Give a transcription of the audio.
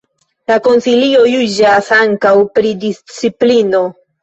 La Konsilio juĝas ankaŭ pri disciplino.